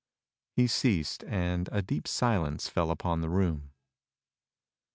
He ceased, and a deep silence fell upon the room.